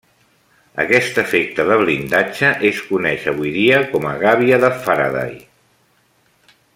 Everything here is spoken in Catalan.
Aquest efecte de blindatge es coneix avui dia com gàbia de Faraday.